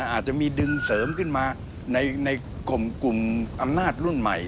อาจจะมีดึงเสริมขึ้นมาในกลุ่มอำนาจรุ่นใหม่